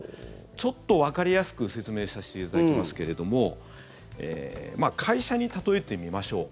ちょっとわかりやすく説明させていただきますけれども会社に例えてみましょう。